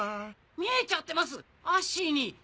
見えちゃってますアッシーに。